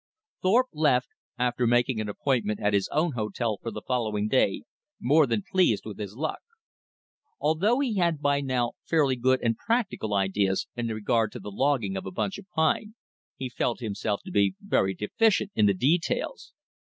Thorpe left, after making an appointment at his own hotel for the following day, more than pleased with his luck. Although he had by now fairly good and practical ideas in regard to the logging of a bunch of pine, he felt himself to be very deficient in the details.